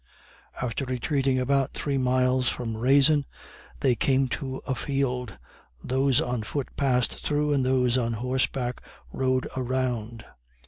After retreating about three miles from Raisin they came to a field, those on foot passed through, and those on horseback rode around.